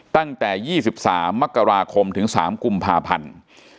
ตั้งแต่๒๓มกราคมถึง๓กุมภาพันธ์